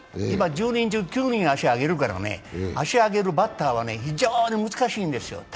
今、１０人中９人が足を上げるから、足を上げるバッターは非常に難しいんですよ。